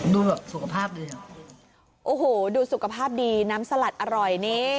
ดูแบบสุขภาพดีอ่ะโอ้โหดูสุขภาพดีน้ำสลัดอร่อยนี่